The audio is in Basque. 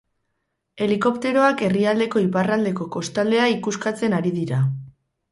Helikopteroak herrialdeko iparraldeko kostaldea ikuskatzen ari dira.